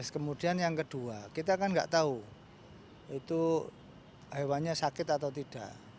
kemudian yang kedua kita kan nggak tahu itu hewannya sakit atau tidak